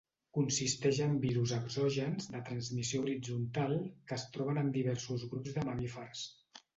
Consisteix en virus exògens de transmissió horitzontal que es troben en diversos grups de mamífers.